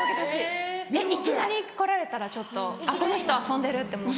いきなり来られたらちょっと「この人遊んでる」って。